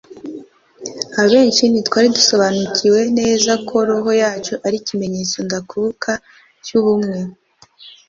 abenshi ntitwari dusobanukiwe neza ko roho yacu ari ikimenyetso ndakuka cy'ubumwe